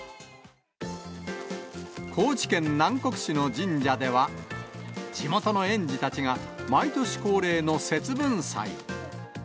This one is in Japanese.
高知県南国市の神社では、地元の園児たちが、毎年恒例の節分祭。